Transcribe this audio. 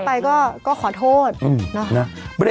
ปุ๊บ